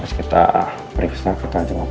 terus kita berikusnya kita jenguk ya